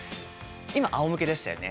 今、あおむけでしたよね。